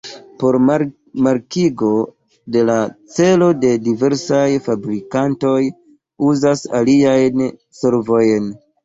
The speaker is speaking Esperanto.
Por markigo de la celo la diversaj fabrikantoj uzas aliajn solvojn.